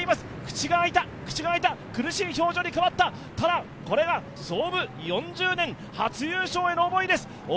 口が開いた、苦しい表情に変わったただ、これが創部４０年、初優勝への思いです。